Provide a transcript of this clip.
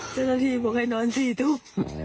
เจ้าหน้าที่บอกให้นอน๔ทุ่ม